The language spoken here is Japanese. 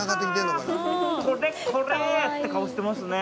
「これこれ！」って顔してますね。